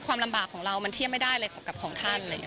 ความลำบากของเรามันเทียบไม่ได้เลยกับของท่าน